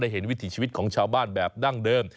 เห็นวิถีชีวิตของชาวบ้านแบบดั้งเดิม